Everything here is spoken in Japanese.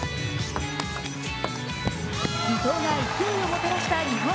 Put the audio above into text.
伊藤が勢いをもたらした日本。